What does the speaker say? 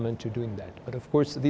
nhưng chính phủ này rất khó